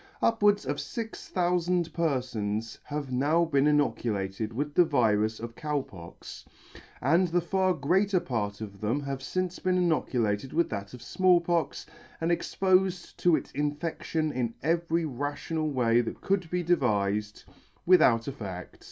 Upwards of fix thoufand perfons have now been inoculated with the virus of Cow Pox, and the far greater part of them have fince been inoculated with that of Small Pox, and expofed to its infedlion in every rational way that could be devifed, with out effect.